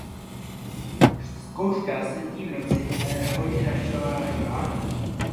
Zkouška se jezdí v noci a je hojně navštěvovaná diváky.